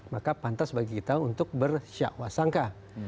maka pantas bagi kita untuk bersyakwa sangka